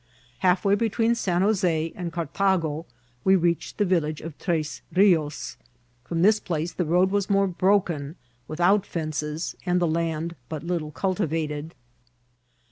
Half way between San Jos6 and Cartago we reached the village of Tres Rios. From this place the road was more brdcen, without fences, and the land but little cul tivated.